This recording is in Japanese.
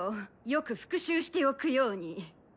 よく復習しておくように。